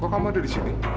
kok kamu ada di sini